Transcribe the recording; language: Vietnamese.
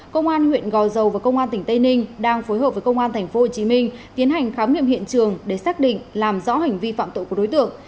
công an huyện gò dầu và công an tỉnh tây ninh đang phối hợp với công an tp hcm tiến hành khám nghiệm hiện trường để xác định làm rõ hành vi phạm tội của đối tượng